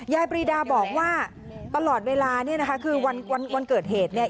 ปรีดาบอกว่าตลอดเวลาเนี่ยนะคะคือวันเกิดเหตุเนี่ย